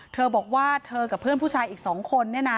เธอบอกว่าเธอกับเพื่อนผู้ชายอีกสองคน